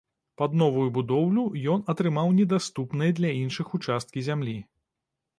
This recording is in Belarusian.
Пад новую будоўлю ён атрымаў недаступныя для іншых участкі зямлі.